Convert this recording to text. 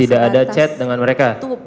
tidak ada chat dengan mereka